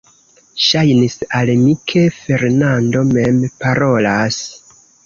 Ŝajnis al mi, ke Fernando mem parolas.